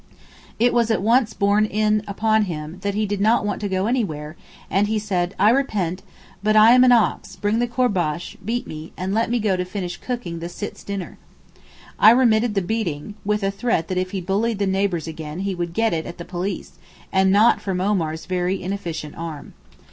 It was at once borne in upon him that he did not want to go anywhere, and he said, 'I repent; I am but an ox, bring the courbash, beat me, and let me go to finish cooking the Sitt's dinner.' I remitted the beating, with a threat that if he bullied the neighbours again he would get it at the police, and not from Omar's very inefficient arm.